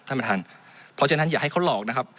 ท่านประธานเพราะฉะนั้นอย่าให้เขาหลอกนะครับ